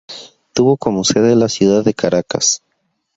Tuvo como sede la ciudad de Caracas.